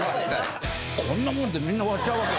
こんなもん！ってみんな割っちゃうわけ。